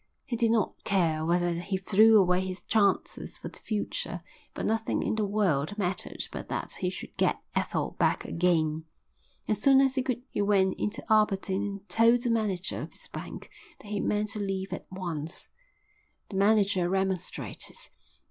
He did not care whether he threw away his chances for the future, for nothing in the world mattered but that he should get Ethel back again. As soon as he could he went into Aberdeen and told the manager of his bank that he meant to leave at once. The manager remonstrated.